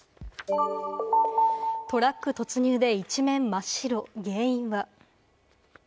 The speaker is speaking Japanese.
トラック突入で一面真っ白、原因は。